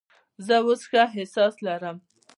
زه اوس ښه احساس لرم.